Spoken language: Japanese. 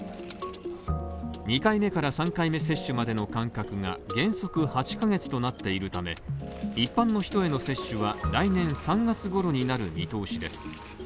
２回目から３回目接種までの間隔が原則８ヶ月となっているため、一般の人への接種は来年３月ごろになる見通しです。